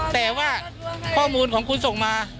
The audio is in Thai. แต่ว่าข้อมูลของคุณส่งมา